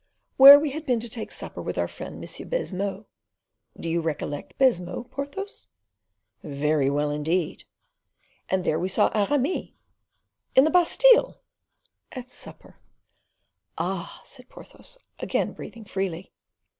"Where we had been to take supper with our friend M. Baisemeaux. Do you recollect Baisemeaux, Porthos?" "Very well, indeed." "And there we saw Aramis." "In the Bastile?" "At supper." "Ah!" said Porthos, again breathing freely.